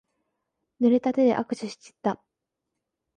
ぬれた手で握手しちった。